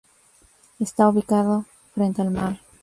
Está ubicado frente al mar.